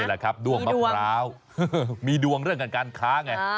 แหละครับด้วงมะพร้าวมีดวงเรื่องการค้าไง